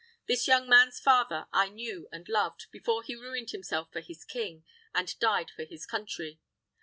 This young man's father I knew and loved, before he ruined himself for his king, and died for his country.